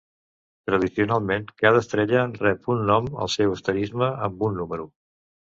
Tradicionalment, cada estrella rep un nom al seu asterisme amb un número.